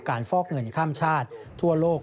ฟอกเงินข้ามชาติทั่วโลก